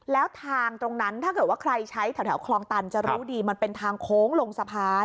แล้วทางตรงนั้นถ้าเกิดว่าใครใช้แถวคลองตันจะรู้ดีมันเป็นทางโค้งลงสะพาน